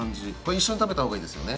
一緒に食べたほうがいいよね。